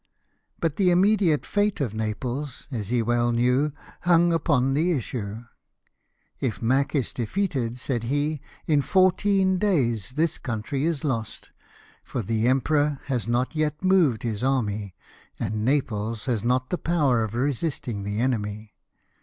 But the immediate fate of Naples, as he well knew, hung upon the issue. " If Mack is defeated," said he, " in fourteen days this country is lost, for the emperor has not yet moved his army, and Naples has not the power of resisting the enemy.